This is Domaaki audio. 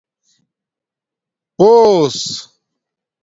پݸس